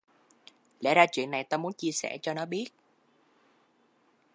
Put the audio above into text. Lẽ ra chuyện này tao muốn chia sẻ cho nó biết